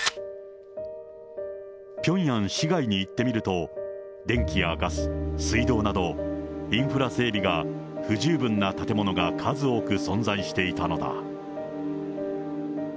ピョンヤン市外に行ってみると、電気やガス、水道など、インフラ整備が不十分な建物が数多く存在していたのだ。